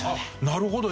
なるほど。